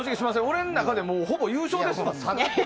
俺の中でほぼ優勝ですもん。